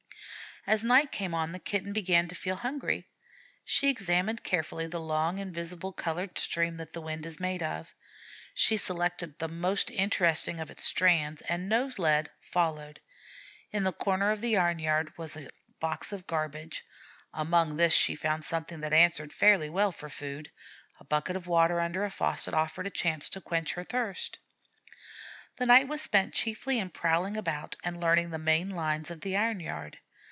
As night came on the Kitten began to feel hungry. She examined carefully the long invisible colored stream that the wind is made of. She selected the most interesting of its strands, and, nose led, followed. In the corner of the iron yard was a box of garbage. Among this she found something that answered fairly well for food; a bucket of water under a faucet offered a chance to quench her thirst. The night was spent chiefly in prowling about and learning the main lines of the iron yard.